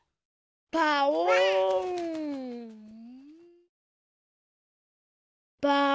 パオーン！